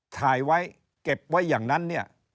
ถ่ายไว้เก็บไว้อย่างนั้นเนี่ย